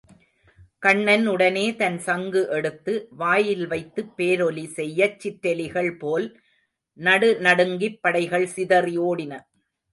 கண்ணன் உடனே தன் சங்கு எடுத்து வாயில்வைத்துப் பேரொலி செய்யச் சிற்றெலிகள் போல் நடுநடுங்கிப் படைகள் சிதறி ஓடின.